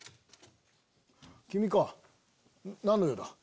君か何の用だ？